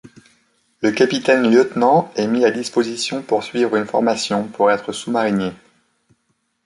Le capitaine-lieutenant est mis à disposition pour suivre une formation pour être sous-marinier.